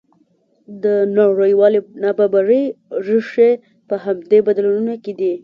د نړیوالې نابرابرۍ ریښې په همدې بدلونونو کې دي.